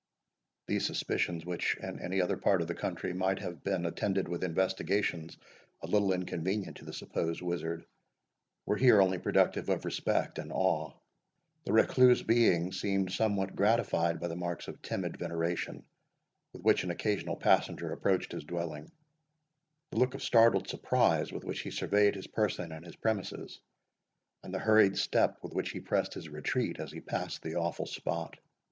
These suspicions, which, in any other part of the country, might have been attended with investigations a little inconvenient to the supposed wizard, were here only productive of respect and awe. The recluse being seemed somewhat gratified by the marks of timid veneration with which an occasional passenger approached his dwelling, the look of startled surprise with which he surveyed his person and his premises, and the hurried step with which he pressed his retreat as he passed the awful spot.